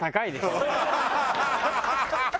ハハハハ！